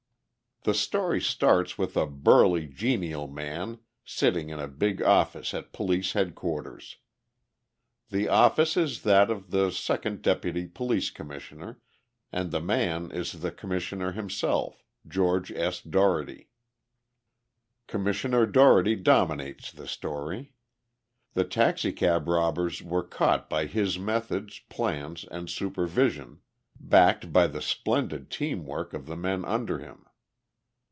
The story starts with a burly, genial man, sitting in a big office at Police Headquarters. The office is that of the Second Deputy Police Commissioner, and the man is the Commissioner himself, George S. Dougherty. Commissioner Dougherty dominates the story. The taxicab robbers were caught by his methods, plans and supervision, backed by the splendid team work of the men under him.